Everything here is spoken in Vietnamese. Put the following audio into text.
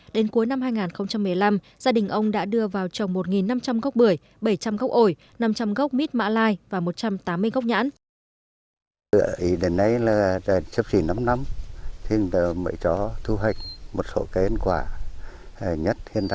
đến cuối năm hai nghìn một mươi năm gia đình ông đã đưa vào trồng một năm trăm linh gốc bưởi bảy trăm linh gốc ổi năm trăm linh gốc mít mã lai và một trăm tám mươi gốc nhãn